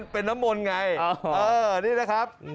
เป็นน้ำมนต์ไงนี่นะครับ